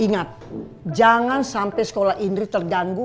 ingat jangan sampai sekolah indri terganggu